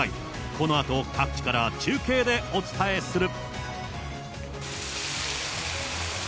このあと各地から、中継でお伝えする。